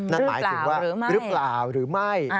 นั่นหมายถึงว่าหรือเปล่าหรือไม่